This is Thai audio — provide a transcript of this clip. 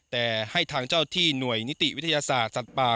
แต่ให้ทางเจ้าที่หน่วยนิติวิทยาศาสตร์สัตว์ป่า